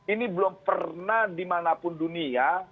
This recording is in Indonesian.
ini belum pernah dimanapun dunia